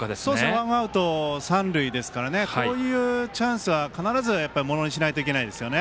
ワンアウト、三塁ですからこういうチャンスは必ずものにしないといけないですね。